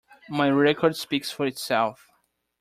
My record speaks for itself.